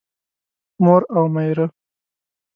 مور او مېره